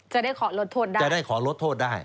จะได้ขอลดโทษได้